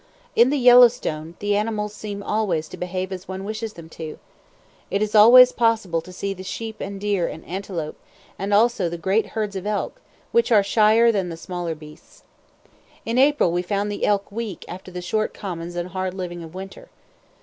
In the Yellowstone the animals seem always to behave as one wishes them to! It is always possible to see the sheep and deer and antelope, and also the great herds of elk, which are shyer than the smaller beasts. In April we found the elk weak after the short commons and hard living of winter.